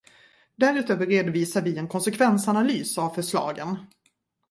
Därutöver redovisar vi en konsekvensanalys av förslagen.